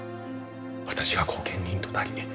私が後見人となり